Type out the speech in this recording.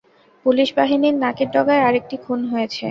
পুলিশবাহিনীর নাকের ডগায় আরেকটি খুন হয়েছে।